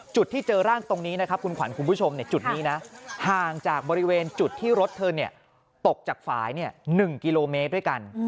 จุดที่เจอร่างตรงนี้นะครับคุณขวัญคุณผู้ชมจุดนี้นะห่างจากบริเวณจุดที่รถเธอตกจากฝ่าย๑กิโลเมตรด้วยกัน